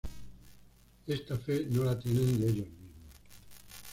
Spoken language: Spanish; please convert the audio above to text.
Esta fe no la tienen de ellos mismos.